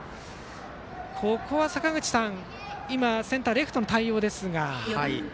ここは坂口さんセンター、レフトの対応ですが。